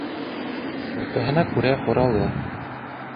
Оҫтаһына күрә ҡоралы.